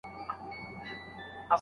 ښه ورځ ولرې